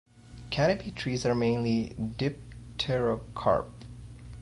Canopy trees are mainly dipterocarp.